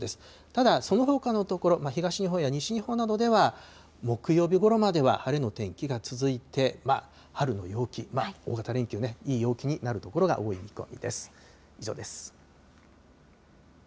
ただ、そのほかの所、東日本や西日本などでは、木曜日ごろまでは晴れの天気が続いて、春の陽気、大型連休、いい陽気になる所が多い見込みです。